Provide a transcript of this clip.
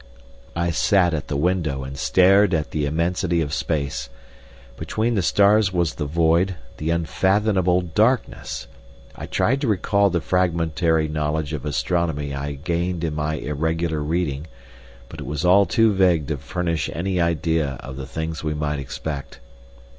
I sat at the window and stared at the immensity of space. Between the stars was the void, the unfathomable darkness! I tried to recall the fragmentary knowledge of astronomy I had gained in my irregular reading, but it was all too vague to furnish any idea of the things we might expect.